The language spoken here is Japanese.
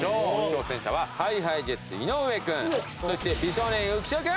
挑戦者はＨｉＨｉＪｅｔｓ井上君そして美少年浮所君！